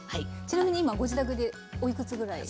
ちなみに今ご自宅においくつぐらい？